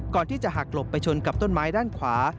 ก่อนที่จะหักหลบไปชนกับต้นไม้ด้านขวา